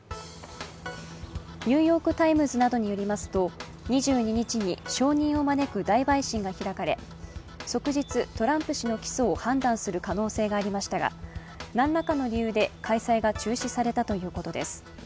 「ニューヨーク・タイムズ」などによりますと、２２日に証人を招く大陪審が開かれ即日、トランプ氏の起訴を判断する可能性がありましたが何らかの理由で開催が中止されたということです。